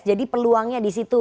jadi peluangnya di situ